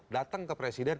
datang ke presiden